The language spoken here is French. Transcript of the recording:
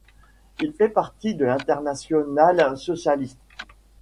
Il fait partie de l'Internationale socialiste.